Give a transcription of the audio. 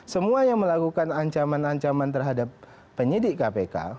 semua yang melakukan ancaman ancaman terhadap penyidik kpk